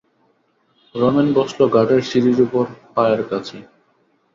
রমেন বসল ঘাটের সিঁড়ির উপর, পায়ের কাছে।